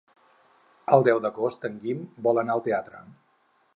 El deu d'agost en Guim vol anar al teatre.